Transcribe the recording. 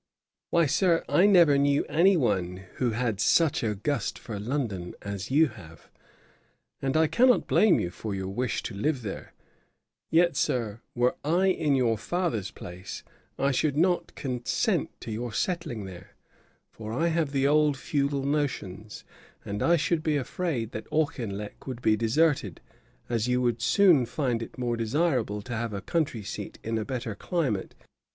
'Why, Sir, I never knew any one who had such a gust for London as you have: and I cannot blame you for your wish to live there: yet, Sir, were I in your father's place, I should not consent to your settling there; for I have the old feudal notions, and I should be afraid that Auchinleck would be deserted, as you would soon find it more desirable to have a country seat in a better climate.